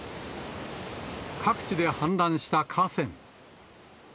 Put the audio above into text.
各地で氾濫した河川。